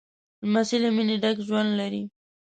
لمسی له مینې ډک ژوند لري.